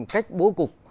cách bố cục